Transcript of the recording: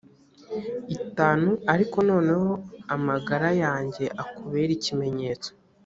itanu ariko noneho amagara yanjye akubere ikimenyetso